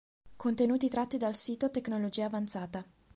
Contenuti tratti dal sito Tecnologia avanzata.